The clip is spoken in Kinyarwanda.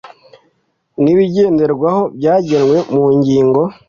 n ibigenderwaho byagenwe mu ngingo